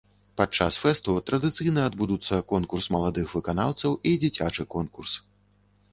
Падчас фэсту традыцыйна адбудуцца конкурс маладых выканаўцаў і дзіцячы конкурс.